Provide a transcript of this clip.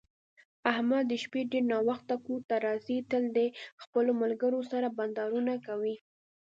احمد د شپې ډېر ناوخته کورته راځي، تل د خپلو ملگرو سره بنډارونه کوي.